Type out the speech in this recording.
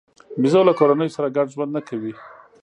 بیزو له کورنیو سره ګډ ژوند نه کوي.